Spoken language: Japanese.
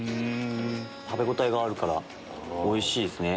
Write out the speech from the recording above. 食べ応えがあるからおいしいですね。